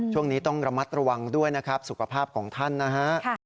ช่วงนี้ต้องระมัดระวังด้วยนะครับสุขภาพของท่านนะฮะ